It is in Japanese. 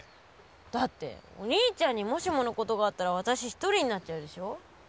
だってお兄ちゃんにもしものことがあったら私一人になっちゃうでしょ。